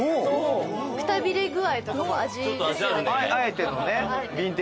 くたびれ具合とかも味ですよね。